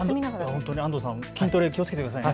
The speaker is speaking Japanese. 安藤さん、筋トレ、気をつけてください。